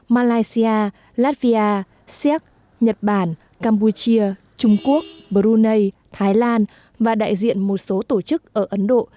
malaysia latvia siếc nhật bản campuchia trung quốc brunei thái lan và đại diện một số tổ chức ở ấn độ